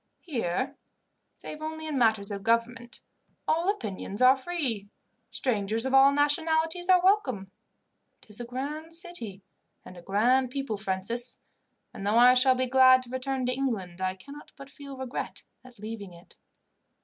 Here, save only in matters of government, all opinions are free, strangers of all nationalities are welcome. It is a grand city and a grand people, Francis, and though I shall be glad to return to England I cannot but feel regret at leaving it.